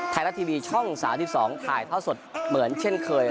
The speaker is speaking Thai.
ไทยรัททีวีช่องสาวที่๒ถ่ายเท่าสดเหมือนเช่นเคย